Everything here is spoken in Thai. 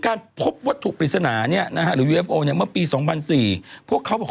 นั่งมอเซย์มา